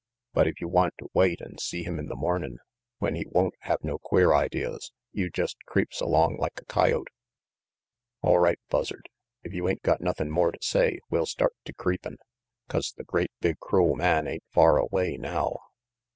But if you want to wait and see him in the mornin' when he won't have no queer ideas, you jest creeps along like a coyote all right, Buzzard, if you ain't got nothin' more to say well start to creepin', 'cause the great big crool man ain't far away now."